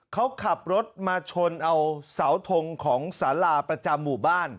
เขาขับรถมาชนเอาเสาทงของสาราประจำหมู่บ้าน